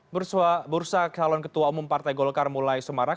bersama bursa calon ketua umum partai golkar mulai sumarak